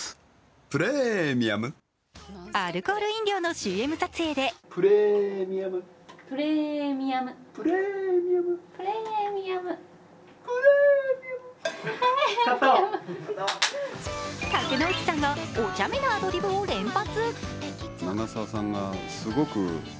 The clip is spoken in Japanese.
アルコール飲料のＣＭ撮影で竹野内さんがおちゃめなアドリブを連発。